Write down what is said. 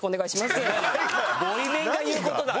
ボイメンが言う事だろ！